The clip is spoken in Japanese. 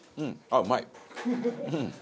あっうまい！